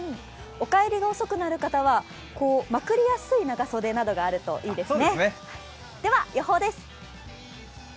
お帰りが遅くなる方はまくりやすい上着などがあるといいです。